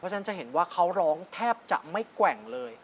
ฉะนั้นจะเห็นว่าเขาร้องแทบจะไม่แกว่งเลย